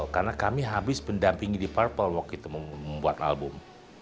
karena kami habis mendampingi deep purple waktu itu membuat album